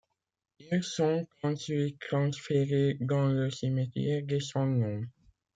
Ils sont ensuite transférés dans le cimetière des sans nom.